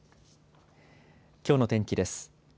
きょうの天気です。